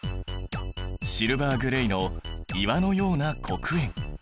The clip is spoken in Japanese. シルバーグレーの岩のような黒鉛。